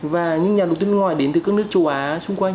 và những nhà đầu tư nước ngoài đến từ các nước châu á xung quanh